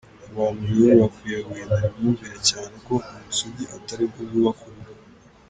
Abantu rero bakwiye guhindura imyumvire cyane ko ubusugi atari bwo bwubaka urugo.